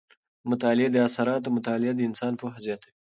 د مطالعې د اثراتو مطالعه د انسان پوهه زیاته وي.